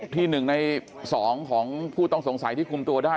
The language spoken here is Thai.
ที่๑ใน๒ของผู้ต้องสงสัยที่คุมตัวได้